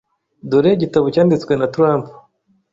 Dore igitabo cyanditswe na trump.